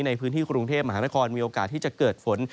ในพื้นที่กรุงเทพมหานครมีโอกาสที่จะเกิดฝน